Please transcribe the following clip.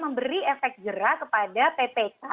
memberi efek jerah kepada ppk